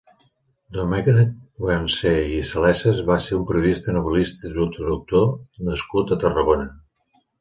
Domènec Guansé i Salesas va ser un periodista, novel·lista i traductor nascut a Tarragona.